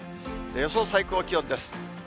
予想最高気温です。